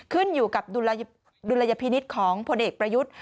ขึ้นอยู่กับดุลยพินิษฐ์ของพลเอกประยุทธ์